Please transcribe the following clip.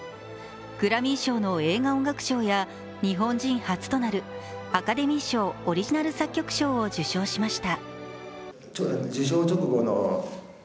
グラミー賞の映画音楽賞や日本人初となるアカデミー賞・オリジナル作曲賞を受賞しました。